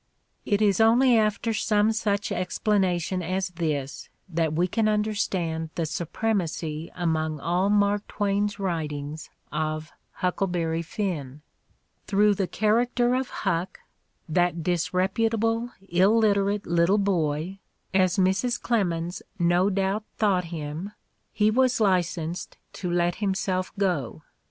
It is only after some such explanation as this that we can understand the supremacy among all Mark Twain's writings of "Huckleberry Finn." Through the character of Huck, that disreputable, illiterate little Those Extraordinary Twins 195 boy, as Mrs. Clemens no doubt thought him, he was licensed to let himself go.